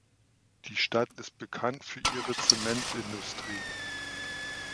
Die Stadt ist bekannt für ihre Zementindustrie.